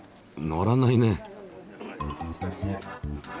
乗らないね。